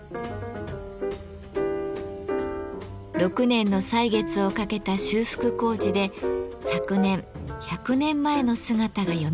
６年の歳月をかけた修復工事で昨年１００年前の姿がよみがえりました。